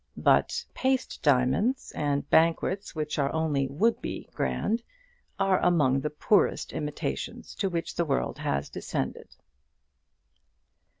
But paste diamonds, and banquets which are only would be grand, are among the poorest imitations to which the world has descended.